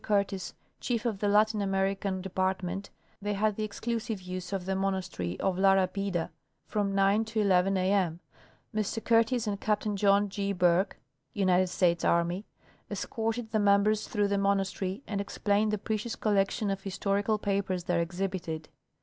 Curtis, chief of the Latin American department, they had the exclusive use of the mon astery of La Rabida from 9 to 11 a m. Mr Curtis and Captain John G. Bourke, United States Army, escorted the members through the monastery and explained the precious collection of historical papers there exhibited.